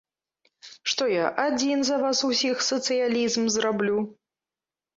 Што я, адзін за вас усіх сацыялізм зраблю?